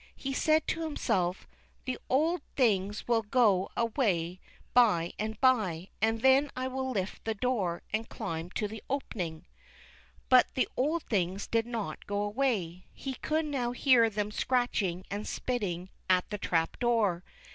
He said to himself, The old things will go away by and by, and then I will lift the door and climb to the opening." 360 THE CHILDREN'S WONDER BOOK. But the old things " did not go away. He could now hear them scratching and spitting at the trap door.